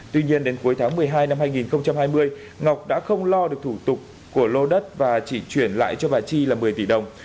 tuy nhiên đến cuối tháng một mươi hai năm hai nghìn hai mươi ngọc đã không lo được thủ tục của lô đất và chỉ chuyển lại cho bà chi là một mươi tỷ đồng